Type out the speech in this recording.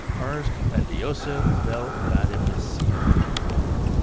Ars Compendiosa vel Vademecum.